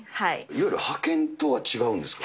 いわゆる派遣とは違うんですか。